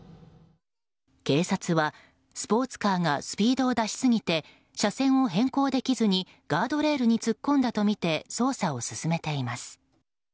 警察はスポーツカーがスピードを出しすぎて車線を変更できずにガードレールに突っ込んだとみて捜査を進めています。